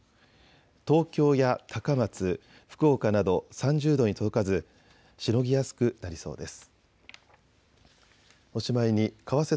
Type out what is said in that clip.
東京や高松、福岡など３０度に届かずしのぎやすくなりそうです。